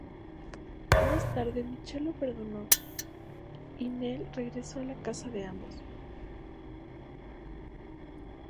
Más tarde Michelle lo perdonó y Neil regresó a la casa de ambos.